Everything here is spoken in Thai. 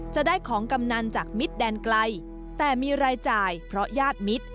จะได้ของกำนันจากมิตรแดนไกลแต่มีรายจ่ายเพราะญาติมิตร